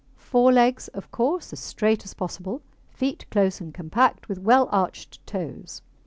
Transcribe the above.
Fore legs, of course, as straight as possible. Feet close and compact, with well arched toes.